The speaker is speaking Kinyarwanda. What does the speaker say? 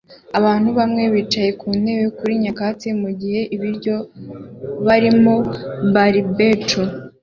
Abantu bamwe bicaye ku ntebe kuri nyakatsi mugihe ibiryo barimo barbecu